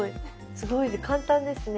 すごい簡単ですね。